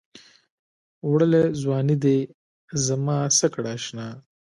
وړلې ځــواني دې زمـا څه کړه اشـنا